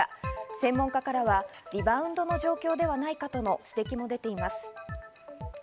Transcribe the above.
専門家からはリバウンドの状況ではないかとの指摘も出ています。